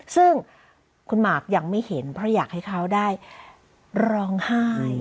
ซึ่งคุณหมากยังไม่เห็นเพราะอยากให้เขาได้ร้องไห้